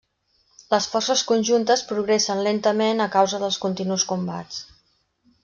Les forces conjuntes progressen lentament a causa dels continus combats.